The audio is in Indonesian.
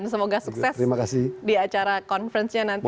semoga sukses di acara konferensinya nanti